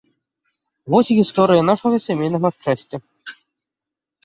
Вось гісторыя нашага сямейнага шчасця.